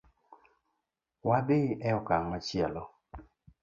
Wadhi e okang’ machielo